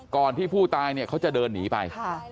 ก่อนที่ผู้ตายเขาจะเดินหนีไป